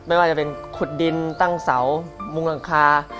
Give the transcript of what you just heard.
ไม่ว่าจะเป็นขุดดินตั้งเสามุงหลังคา